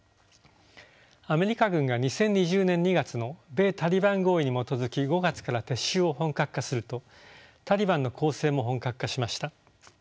アメリカ軍が２０２０年２月の米・タリバン合意に基づき５月から撤収を本格化するとタリバンの攻勢も本格化しました。